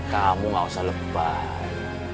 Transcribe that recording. kamu gak usah lebih baik